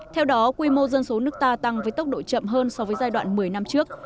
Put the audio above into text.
theo đó quy mô dân số nước ta tăng với tốc độ chậm hơn so với giai đoạn một mươi năm trước